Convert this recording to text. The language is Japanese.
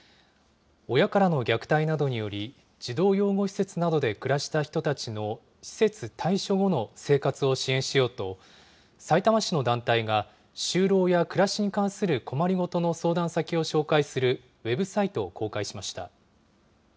親からの虐待などにより、児童養護施設などで暮らした人たちの施設退所後の生活を支援しようと、さいたま市の団体が、就労や暮らしに関する困りごとの相談先を紹介するウェブサイトを公開しました。